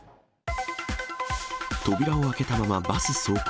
扉を開けたままバス走行。